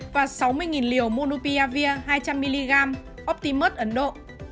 và sáu mươi liều monopiravir hai trăm linh mg optimus ấn độ